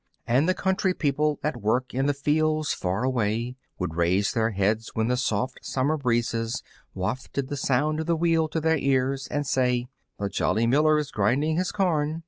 And the country people, at work in the fields far away, would raise their heads when the soft summer breezes wafted the sound of the wheel to their ears and say, "The jolly miller is grinding his corn."